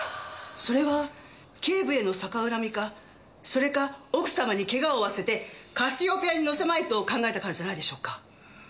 それは警部への逆恨みかそれか奥様に怪我を負わせてカシオペアに乗せまいと考えたからじゃないでしょうか？